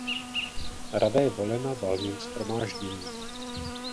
Rada je volena valným shromážděním.